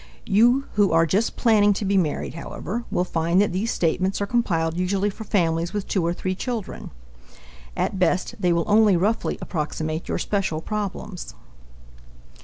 You who are just planning to be married, however, will find that these statements are compiled usually for families with two or three children. At best they will only roughly approximate your special problems.